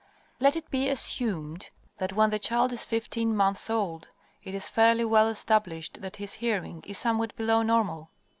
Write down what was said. Let it be assumed that when the child is fifteen months old it is fairly well established that his hearing is somewhat below normal.